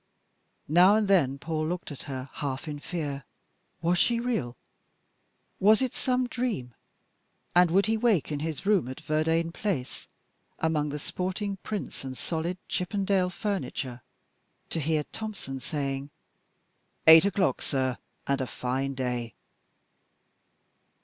Now and then Paul looked at her half in fear. Was she real? Was it some dream, and would he wake in his room at Verdayne Place among the sporting prints and solid Chippendale furniture to hear Tompson saying, "Eight o'clock, sir, and a fine day"?